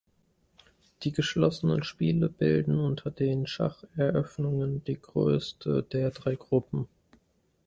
Die geschlossenen Spiele bilden unter den Schacheröffnungen die größte der drei Gruppen.